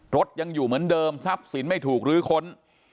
รถยังอยู่เหมือนเดิมทรัพย์สินไม่ถูกลื้อค้น